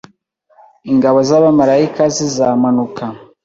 Ingabo z'abamarayika zizamanuka